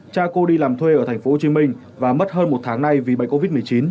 cha cô đi làm thuê ở tp hcm và mất hơn một tháng nay vì bệnh covid một mươi chín